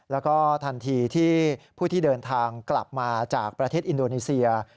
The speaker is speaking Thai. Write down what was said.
แล้วก็ทันทีที่ผู้ที่เดินทางกลับมาจากประเทศอินโดนีเซีย